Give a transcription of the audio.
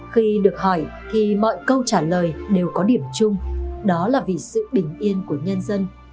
khi được hỏi thì mọi câu trả lời đều có điểm chung đó là vì sự bình yên của nhân dân